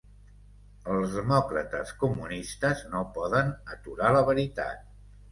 Els demòcrates comunistes no poden aturar la veritat.